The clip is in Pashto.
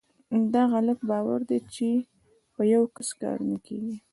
داغلط باور دی چې په یوکس کار نه کیږي .